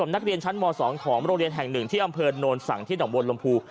นักเรียนชั้นม๒ของมรเรียนแห่ง๑ที่อัมเภอโนสั่งที่ต้างบนลมพู